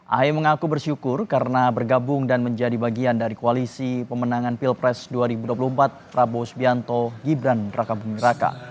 ahy mengaku bersyukur karena bergabung dan menjadi bagian dari koalisi pemenangan pilpres dua ribu dua puluh empat prabowo subianto gibran raka buming raka